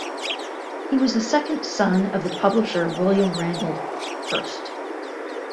He was the second son of the publisher William Randolph Hearst.